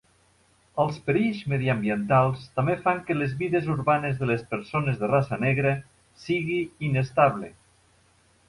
Els perills mediambientals també fan que les vides urbanes de les persones de raça negra sigui inestable.